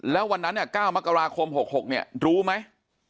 แล้ววันนั้น๙มกราคม๖๖รู้ไหม